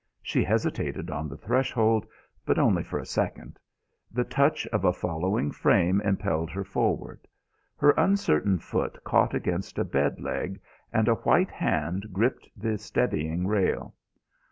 She hesitated on the threshold, but only for a second. The touch of a following frame impelled her forward. Her uncertain foot caught against a bed leg and a white hand gripped the steadying rail.